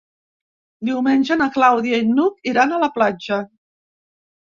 Diumenge na Clàudia i n'Hug iran a la platja.